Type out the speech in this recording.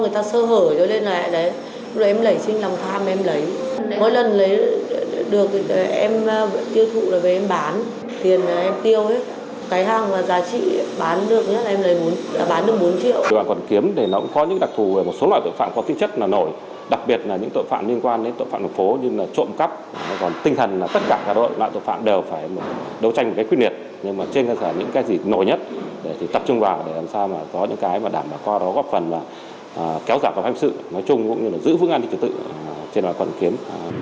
trộm cắp còn tinh thần là tất cả các loại tội phạm đều phải đấu tranh với quyết liệt nhưng mà trên cơ sở những cái gì nổi nhất thì tập trung vào để làm sao mà có những cái mà đảm bảo qua đó góp phần là kéo giảm và pháp sự nói chung cũng như là giữ vững ăn thì tự tự trên loại hoàn kiếm